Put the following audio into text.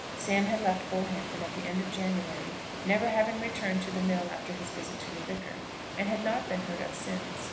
Sam had left Bullhampton at the end of January, never having returned to the mill after his visit to the Vicar, and had not been heard of since.